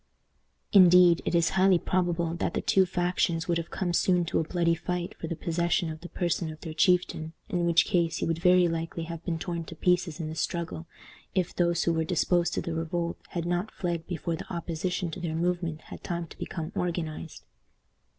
Indeed, it is highly probable that the two factions would have come soon to a bloody fight for the possession of the person of their chieftain, in which case he would very likely have been torn to pieces in the struggle, if those who were disposed to revolt had not fled before the opposition to their movement had time to become organized.